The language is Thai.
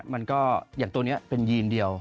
มันก็อย่างตัวนี้เป็นยีนเดียว